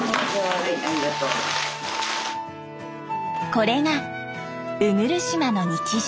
これが鵜来島の日常。